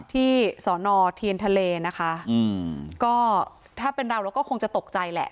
ที่สอนอเทียนทะเลนะคะอืมก็ถ้าเป็นเราเราก็คงจะตกใจแหละ